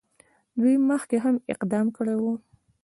دوی مخکې هم اقدام کړی وو.